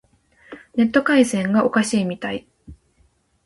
ネット回線がおかしいみたい。